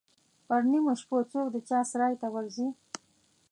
پر نیمو شپو څوک د چا سرای ته ورځي.